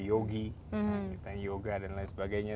yogi yoga dan lain sebagainya